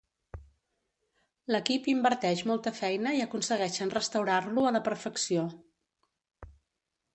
L'equip inverteix molta feina i aconsegueixen restaurar-lo a la perfecció.